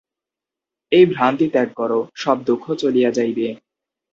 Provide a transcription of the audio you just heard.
এই ভ্রান্তি ত্যাগ কর, সব দুঃখ চলিয়া যাইবে।